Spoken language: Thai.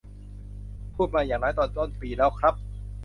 พูดมาอย่างน้อยตอนต้นปีแล้วครับ